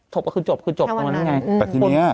จบก็คือจบคือจบตรงนั้นไง